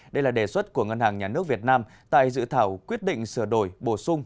đây là đề xuất của ngân hàng nhà nước việt nam tại dự thảo quyết định sửa đổi bổ sung